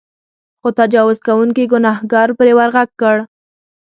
خو تجاوز کوونکي ګنهکار پرې ورغږ کړ.